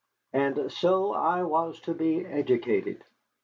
And so I was to be educated.